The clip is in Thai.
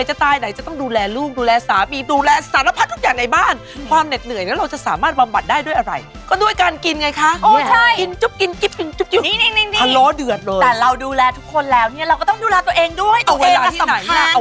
น้องฟิตเน็ตแล้วถ้าเรามีใจนะเรามีแบบว่าความรักที่จะแบบดูแลตัวเองนะ